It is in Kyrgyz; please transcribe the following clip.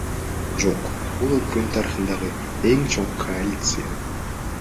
Жок, бул өлкөнүн тарыхындагы эң чоң коалиция.